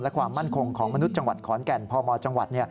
และความมั่นคงของมนุษย์จังหวัดขอนแก่นพมจังหวัด